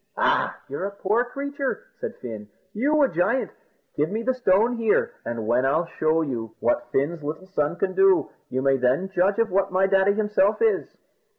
"Ah, you're a poor creature!" said Fin. "You a giant! Give me the stone here, and when I'll show what Fin's little son can do, you may then judge of what my daddy himself is."